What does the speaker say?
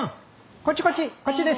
こっちこっちこっちです。